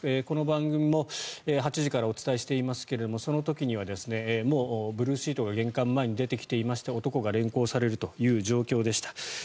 この番組も８時からお伝えしていますけれどその時にはもうブルーシートが玄関前に出てきていまして男が連行されるという状況でした。